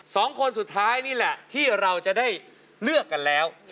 สองคนสุดท้ายนี่แหละที่เราจะได้เลือกกันแล้ว